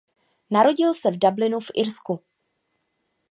Narodil se v Dublinu v Irsku.